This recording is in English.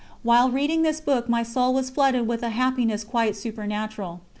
_ While reading this book my soul was flooded with a happiness quite supernatural.